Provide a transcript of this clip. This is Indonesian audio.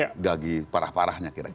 tidak lagi parah parahnya kira kira